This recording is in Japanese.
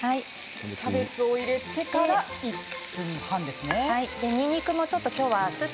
キャベツを入れてからにんにくですね。